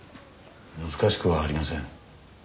難しくはありません